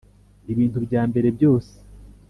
ibintu byambere byose